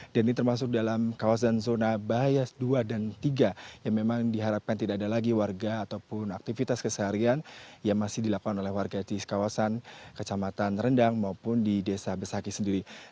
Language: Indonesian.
dan ini termasuk dalam kawasan zona bahaya dua dan tiga yang memang diharapkan tidak ada lagi warga ataupun aktivitas keseharian yang masih dilakukan oleh warga di kawasan kecamatan rendang maupun di desa besaki sendiri